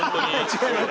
違います